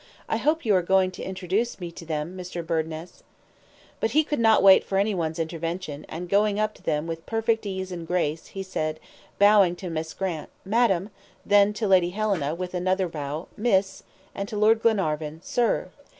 I hope you are going to introduce me to them, Mr. Burdness!" But he could not wait for any one's intervention, and going up to them with perfect ease and grace, said, bowing to Miss Grant, "Madame;" then to Lady Helena, with another bow, "Miss;" and to Lord Glenarvan, "Sir."